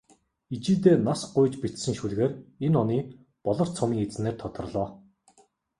Ижийдээ нас гуйж бичсэн шүлгээр энэ оны "Болор цом"-ын эзнээр тодорлоо.